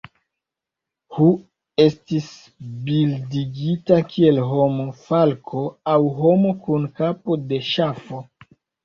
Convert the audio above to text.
Hu estis bildigita kiel homo, falko aŭ homo kun kapo de ŝafo.